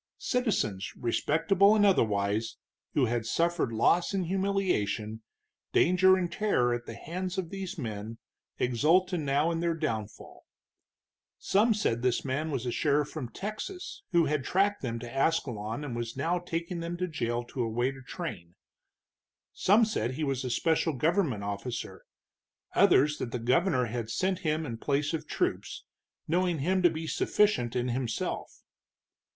Citizens, respectable and otherwise, who had suffered loss and humiliation, danger and terror at the hands of these men, exulted now in their downfall. Some said this man was a sheriff from Texas, who had tracked them to Ascalon and was now taking them to jail to await a train; some said he was a special government officer, others that the governor had sent him in place of troops, knowing him to be sufficient in himself.